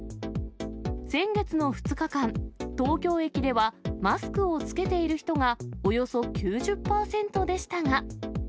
先月の２日間、東京駅ではマスクを着けている人がおよそ９０％でしたが。